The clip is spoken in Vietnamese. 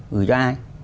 gửi cho ai